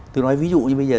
tôi nói ví dụ như bây giờ